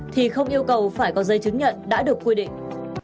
thì không yêu cầu phải có giấy chứng nhận đã được quy định